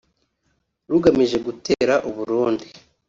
rugamije gutera u Burundi